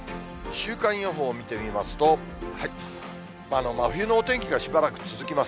週間予報見てみますと、真冬のお天気がしばらく続きます。